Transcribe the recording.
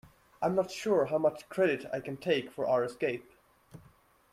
I'm not sure how much credit I can take for our escape.